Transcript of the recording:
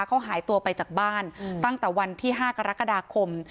เขาหายตัวไปจากบ้านตั้งแต่วันที่๕กรกฎาคม